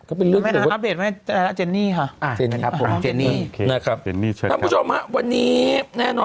อัพเดทแบบเจนนี่ฮะ